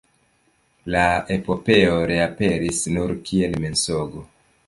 La epopeo reaperis nur kiel mensogo.